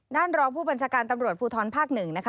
ด้านรองผู้บัญชาการตำรวจภูทรภาค๑